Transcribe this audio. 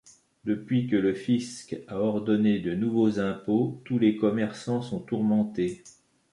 Depuis que le fisc a ordonné de nouveaux impôts, tous les commerçants sont tourmentés.